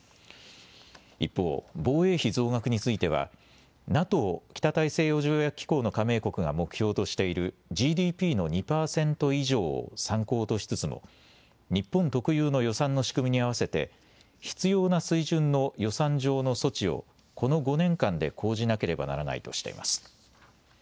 一方、防衛費増額についてはＮＡＴＯ・北大西洋条約機構の加盟国が目標としているＧＤＰの２％以上を参考としつつも日本特有の予算の仕組みに合わせて必要な水準の予算上の措置をこの５年間で講じなければならないとしています。